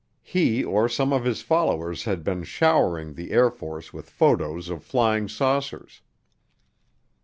He, or some of his followers had been showering the Air Force with photos of flying saucers.